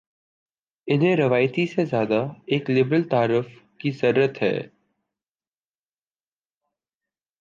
انہیں روایتی سے زیادہ ایک لبرل تعارف کی ضرت ہے۔